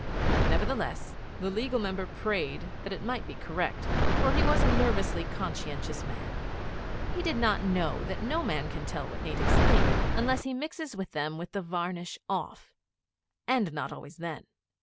Nevertheless, the Legal Member prayed that it might be correct, for he was a nervously conscientious man. He did not know that no man can tell what natives think unless he mixes with them with the varnish off. And not always then.